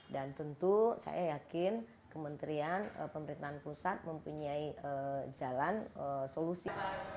dan tentu saya yakin kementerian pemerintahan pusat mempunyai jalan solusi